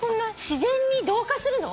自然に同化するの？